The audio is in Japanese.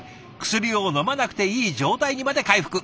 薬をのまなくていい状態にまで回復。